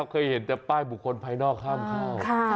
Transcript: เคยเห็นแต่ป้ายบุคคลภายนอกห้ามเข้า